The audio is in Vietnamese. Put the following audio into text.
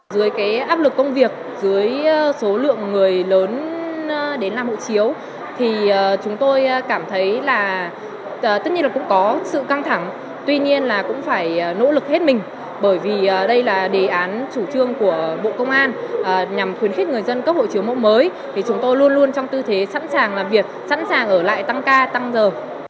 dưới cái áp lực công việc dưới số lượng người lớn đến làm hộ chiếu thì chúng tôi cảm thấy là tất nhiên là cũng có sự căng thẳng tuy nhiên là cũng phải nỗ lực hết mình bởi vì đây là đề án chủ trương của bộ công an nhằm khuyến khích người dân cấp hộ chiếu mẫu mới thì chúng tôi luôn luôn trong tư thế sẵn sàng làm việc sẵn sàng ở lại tăng ca tăng giờ